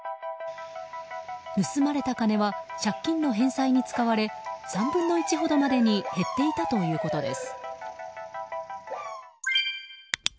盗まれた金は借金の返済に使われ３分の１ほどにまで減っていたということです。